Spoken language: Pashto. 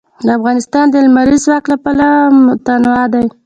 افغانستان د لمریز ځواک له پلوه متنوع دی.